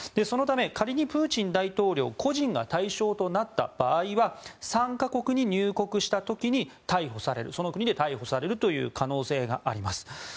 そのため仮にプーチン大統領個人が対象となった場合は参加国に入国した時にその国で逮捕されるという可能性があります。